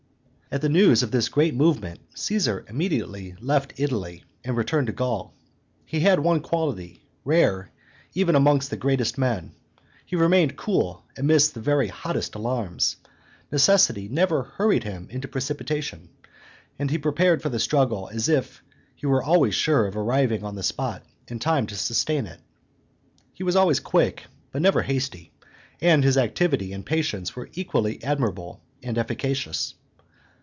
At the news of this great movement Caesar immediately left Italy, and returned to Gaul. He had one quality, rare even amongst the greatest men: he remained cool amidst the very hottest alarms; necessity never hurried him into precipitation, and he prepared for the struggle as if he were always sure of arriving on the spot in time to sustain it. He was always quick, but never hasty; and his activity and patience were equally admirable and efficacious.